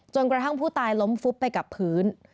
กระทั่งผู้ตายล้มฟุบไปกับพื้น